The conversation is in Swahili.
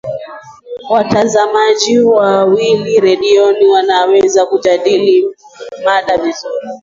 watangazaji wawili redioni wanaweza kujadili mada nzuri